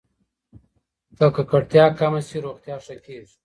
که ککړتیا کمه شي، روغتیا ښه کېږي.